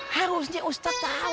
harusnya ustadz tahu